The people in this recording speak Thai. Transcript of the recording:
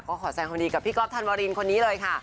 ก็ขอแสงความดีกับพี่ก๊อฟธันวารินคนนี้เลยค่ะ